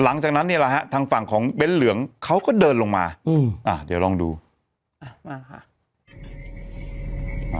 หลังจากนั้นเนี่ยแหละฮะทางฝั่งของเบ้นเหลืองเขาก็เดินลงมาอืมอ่าเดี๋ยวลองดูอ่ะมาค่ะ